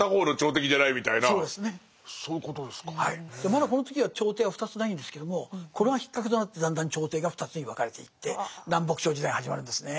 まだこの時は朝廷は２つないんですけどもこれがきっかけとなってだんだん朝廷が２つに分かれていって南北朝時代が始まるんですね。